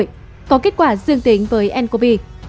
có kết quả dương tính với ncov